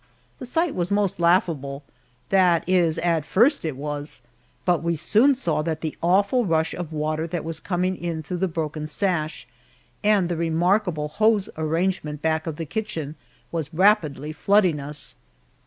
The sight was most laughable that is, at first it was; but we soon saw that the awful rush of water that was coming in through the broken sash and the remarkable hose arrangement back of the kitchen was rapidly flooding us.